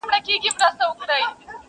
تر قلمه د بېلتون عزرایل راسي،،!